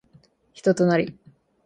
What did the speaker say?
人となり